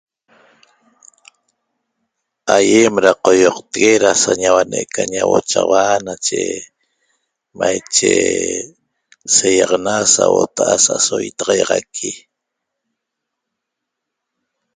Aiem da qoyoqtegue da sa ñauane' ca ñauochaxaua nache maiche seiaxana sauota'a asa'aso itaxaixaqui